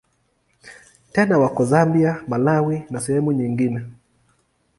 Tena wako Zambia, Malawi na sehemu nyingine.